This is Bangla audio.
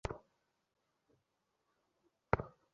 তুমি কখনো মানতেই চাওনি আমি সুমোকে হারিয়েছি।